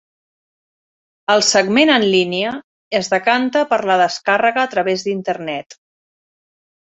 El segment en línia es decanta per la descàrrega a través d'Internet.